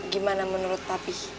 gimana menurut papi